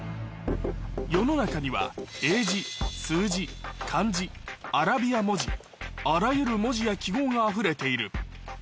世の中には英字、数字、漢字、アラビア文字、あらゆる文字や記号があふれている。